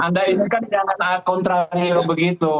dan anda ini kan jangan contrario begitu